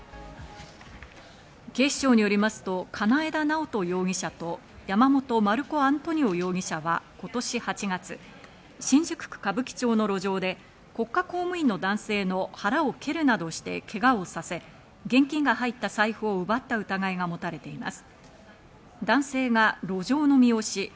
警視庁によりますと金枝直人容疑者と山本マルコアントニオ容疑者は今年８月、新宿区歌舞伎町の路上で、国家公務員の男性の腹を蹴るなどしてけがをさせ、現金が入った財布を奪った疑いが持たれています。